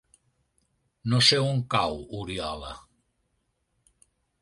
No sé on cau Oriola.